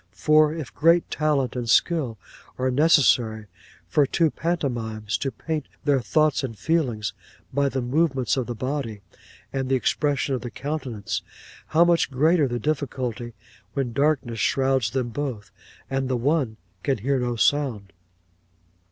For if great talent and skill are necessary for two pantomimes to paint their thoughts and feelings by the movements of the body, and the expression of the countenance, how much greater the difficulty when darkness shrouds them both, and the one can hear no sound.